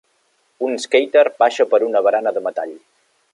Un skater baixa per una barana de metall